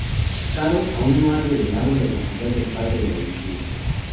Carol aún no ha revelado la identidad del padre de Valentina.